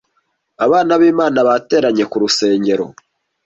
Abana b’imana bateranye ku rusengero